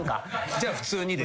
じゃ「普通に」で。